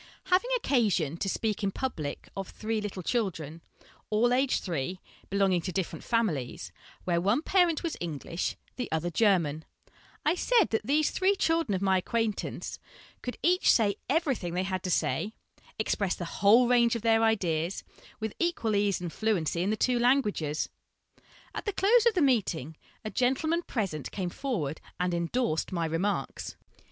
Having occasion to speak in public of three little children, all aged three, belonging to different families, where one parent was English, the other German, I said that these three children of my acquaintance could each say everything they had to say, express the whole range of their ideas, with equal ease and fluency in the two languages. At the close of the meeting, a gentleman present came forward and endorsed my remarks.